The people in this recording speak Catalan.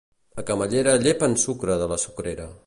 A Camallera llepen sucre de la sucrera.